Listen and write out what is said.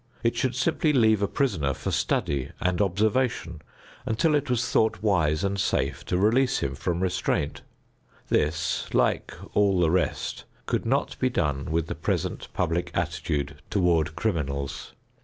It should simply leave a prisoner for study and observation until it was thought wise and safe to release him from restraint. This like all the rest could not be done with the present public attitude toward criminals.